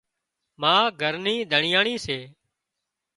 ما گھر نِي ڌڻيئاڻي سي